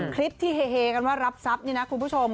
คลิปที่เฮกันว่ารับทรัพย์นี่นะคุณผู้ชม